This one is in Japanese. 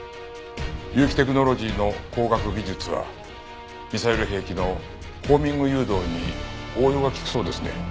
結城テクノロジーの光学技術はミサイル兵器のホーミング誘導に応用が利くそうですね。